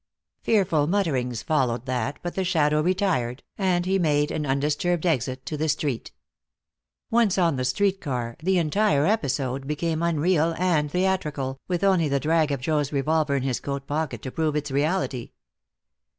Fearful mutterings followed that, but the shadow retired, and he made an undisturbed exit to the street. Once on the street car, the entire episode became unreal and theatrical, with only the drag of Joe's revolver in his coat pocket to prove its reality.